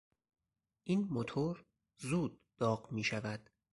این موتور زود داغ میشود.